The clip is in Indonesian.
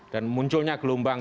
dan munculnya gelombang